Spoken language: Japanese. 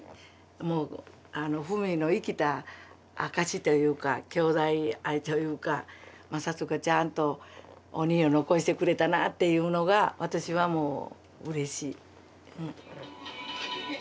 もう史の生きた証しというか兄弟愛というか正嗣ちゃんとおにいを残してくれたなっていうのが私はもううれしい。